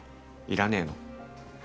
要らねえの？